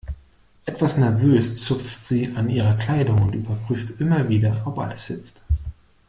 Etwas nervös zupft sie an ihrer Kleidung und überprüft immer wieder, ob alles sitzt.